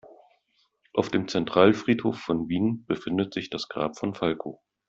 Auf dem Zentralfriedhof von Wien befindet sich das Grab von Falco.